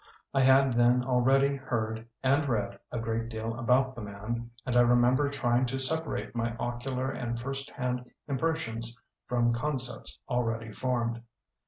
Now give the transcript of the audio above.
I had then already heard and read a great deal about the man and I remember trying to sepa rate my ocular and first hand impres sions from concepts already formed.